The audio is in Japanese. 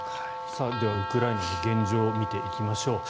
では、ウクライナの現状を見ていきましょう。